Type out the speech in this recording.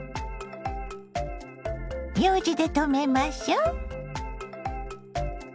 ようじでとめましょ。